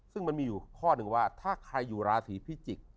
ซึ่งมันมีอยู่ข้อหนึ่งว่าถ้าใครอยู่ราศีพิจิกษ์